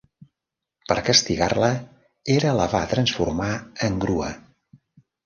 Per castigar-la Hera la va transformar en grua.